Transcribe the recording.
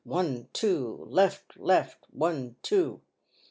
— one, two !— left, left !— one, two